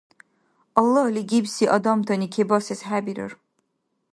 Аллагьли гибси адамтани кебасес хӀебирар.